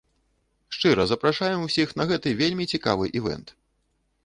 Шчыра запрашаем усіх на гэты вельмі цікавы івэнт.